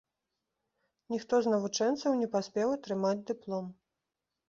Ніхто з навучэнцаў не паспеў атрымаць дыплом.